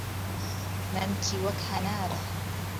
مهمکی وهک ههناره